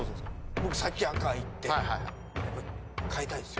僕、さっき赤いって、変えたいっすよ。